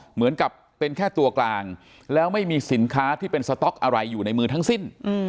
เหมือนกับเป็นแค่ตัวกลางแล้วไม่มีสินค้าที่เป็นสต๊อกอะไรอยู่ในมือทั้งสิ้น